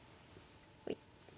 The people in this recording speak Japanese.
はい。